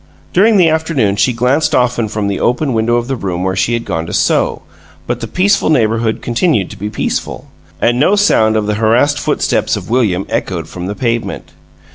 During the afternoon she glanced often from the open window of the room where she had gone to sew, but the peaceful neighborhood continued to be peaceful, and no sound of the harassed footsteps of William echoed from the pavement.